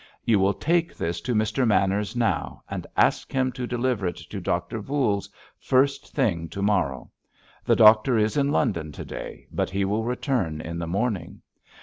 "You will take this to Mr. Manners now, and ask him to deliver it to Doctor Voules first thing to morrow. The doctor is in London to day, but he will return in the morning.